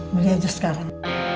beli aja sekarang